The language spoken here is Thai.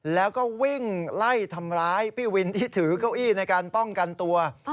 แล้วก็วิ่งไล่ทำร้ายพี่วินที่ถือเก้าอี้ในการป้องกันตัว